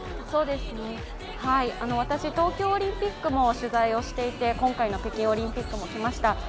私、東京オリンピックも取材をしていて今回の北京オリンピックも来ました。